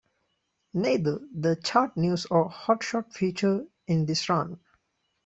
Neither The Chart News or Hot Shot feature in this run.